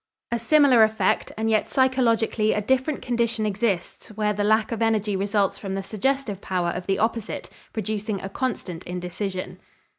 A similar effect and yet psychologically a different condition exists where the lack of energy results from the suggestive power of the opposite, producing a constant indecision.